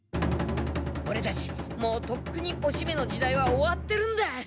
オレたちもうとっくにおしめの時代は終わってるんだ！